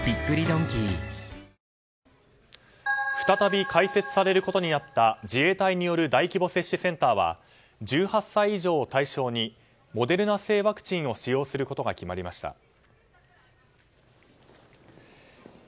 再び開設されることになった自衛隊による大規模接種センターは１８歳以上を対象にモデルナ製ワクチンを使用することが決まりました。